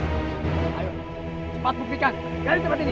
ayo cepat buktikan dari tempat ini